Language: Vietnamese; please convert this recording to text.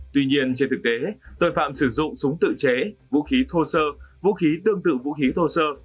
tuy nhiên trên thực tế tội phạm sử dụng súng tự chế vũ khí thô sơ vũ khí tương tự vũ khí thô sơ